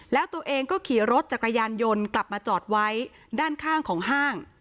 แล้วตัวเองก็ขี่รถจักรยานยนต์กลับมาจอดไว้ด้านข้างของห้าง